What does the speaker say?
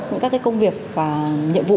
những các công việc và nhiệm vụ